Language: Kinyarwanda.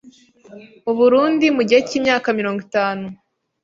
u Burundi mugihe cy’ imyaka mirongo itanu